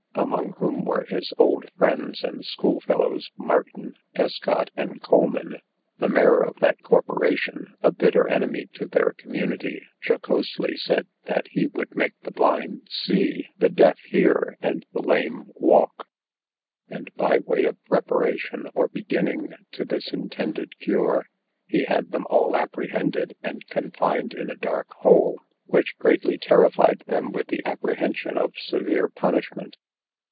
among whom were his old friends and school fellows Martin, Escott, and Coleman. The mayor of that corporation, a bitter enemy to their community, jocosely said, that he would make the blind see, the deaf hear, and the lame walk; and by way of preparation or beginning to this intended cure, he had them all apprehended and confined in a dark hole, which greatly terrified them with the apprehension of severe punishment.